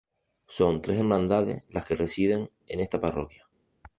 Son tres Hermandades las que residen en esta parroquia.